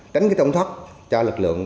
tránh tổn thất cho lực lượng